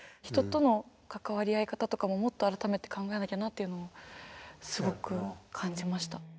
人との関わり合い方とかももっと改めて考えなきゃなっていうのをすごく感じました。